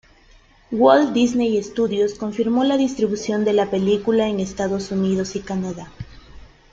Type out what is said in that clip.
Walt Disney Studios confirmó la distribución de la película en Estados Unidos y Canadá.